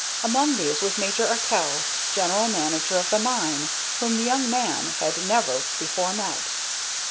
Among these was Major Arkell, general manager of the mine, whom the young man had never before met.